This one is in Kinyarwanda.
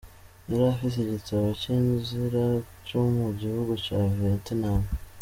Yarafise igitabo c'inzira co mu gihugu ca Vietnam.